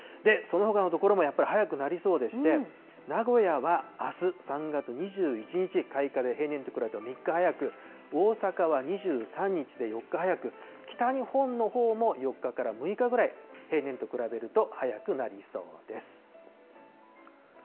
そのほかの所もやっぱり早くなりそうでして、名古屋はあす３月２１日開花で平年と比べても３日早く、大阪は２３日で４日早く、北日本のほうも４日から６日ぐらい、平年と比べると早くなりそうです。